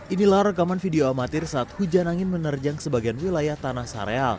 inilah rekaman video amatir saat hujan angin menerjang sebagian wilayah tanah sareal